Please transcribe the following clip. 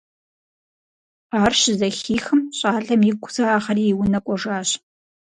Ар щызэхихым, щӏалэм игу загъэри, и унэ кӀуэжащ.